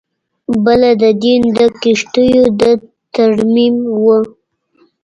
بله د وین د کښتیو د ترمیم وه